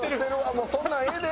もうそんなんええで。